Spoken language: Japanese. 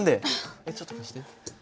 えっちょっと貸して。